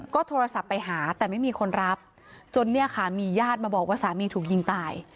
ก็โทรศัพท์ไปหาแต่ไม่มีคนรับจนเนี่ยค่ะมีญาติมาบอกว่าสามีถูกยิงตาย